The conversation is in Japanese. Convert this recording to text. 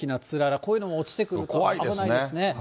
こういうのが落ちてくると危ないですね。